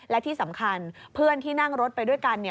และที่สำคัญเพื่อนที่นั่งรถไปด้วยกันเนี่ย